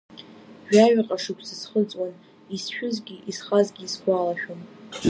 Жәаҩаҟа шықәса схыҵуан, исшәызгьы исхазгьы сгәалашәом.